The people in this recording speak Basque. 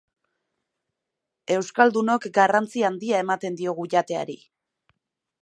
Euskaldunok garrantzi handia ematen diogu jateari.